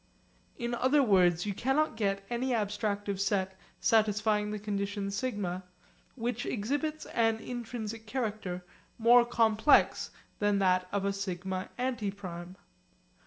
In other words you cannot get any abstractive set satisfying the condition σ which exhibits an intrinsic character more complex than that of a σ antiprime.